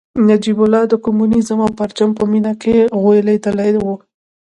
نجیب الله د کمونیزم او پرچم په مینه کې غولېدلی و